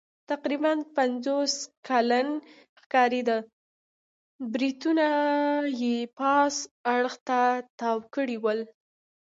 تقریباً پنځوس کلن ښکارېده، برېتونه یې پاس اړخ ته تاو کړي ول.